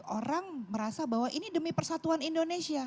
orang merasa bahwa ini demi persatuan indonesia